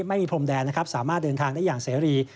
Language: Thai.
ไม่มีพรมแดนสามารถเดินทางได้อย่างเสรี